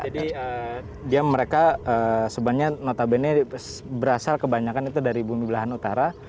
jadi dia mereka sebenarnya notabene berasal kebanyakan itu dari bumi belahan utara